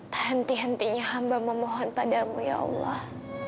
tentih hentinya hamba memohon padamu ya allah